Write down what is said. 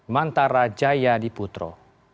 mantara jaya diputro